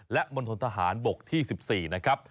และมณฑนทหารบกที่๑๔นะครับ